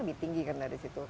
lebih tinggi kan dari situ